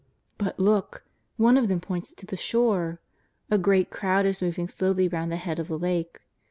But look ! One of them points to the shore. A great crowd is moving slowly round the head of the Lake.